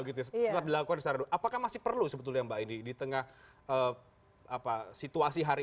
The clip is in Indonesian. setelah dilakukan secara apakah masih perlu sebetulnya mbak ini di tengah situasi hari